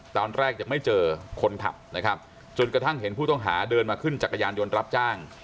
ตอนแรกยังไม่เจอคนขับนะครับจนกระทั่งเห็นผู้ต้องหาเดินมาขึ้นจักรยานยนต์รับจ้าง